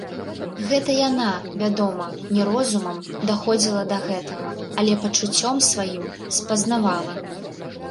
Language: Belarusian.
Гэта яна, вядома, не розумам даходзіла да гэтага, але пачуццём сваім спазнавала.